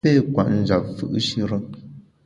I pé kwet njap fù’shire.